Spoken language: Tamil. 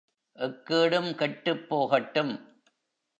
எக்கேடும் கெட்டுப் போகட்டும்.